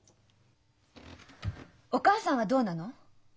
お母さんはどうなの？